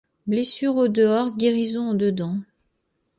Blessure au dehors, guérison au dedans